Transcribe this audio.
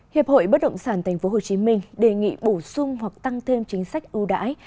hiệp hội bất động sản tp hcm đề nghị bổ sung hoặc tăng thêm chính sách ưu đãi